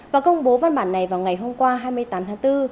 và công bố văn bản này vào ngày hôm qua hai mươi tám tháng bốn